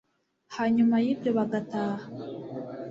hanyuma y'ibyo bagataha